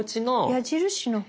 矢印の方？